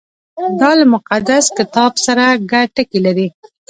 • دا له مقدس کتاب سره ګډ ټکي لري.